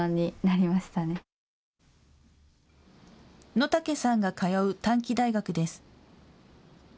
野武さんが通う短期大学です。